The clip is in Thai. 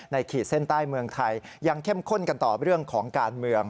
ขีดเส้นใต้เมืองไทยยังเข้มข้นกันต่อเรื่องของการเมือง